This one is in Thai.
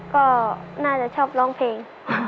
ก็น่าจะชอบร้องเพลง